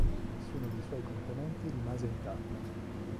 Nessuno dei suoi componenti rimase intatto.